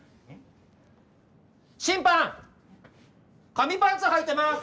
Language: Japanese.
紙パンツはいてます！